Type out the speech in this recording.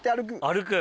歩く。